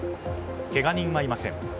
けが人はいません。